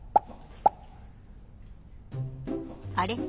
あれ？